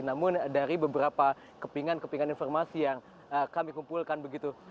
namun dari beberapa kepingan kepingan informasi yang kami kumpulkan begitu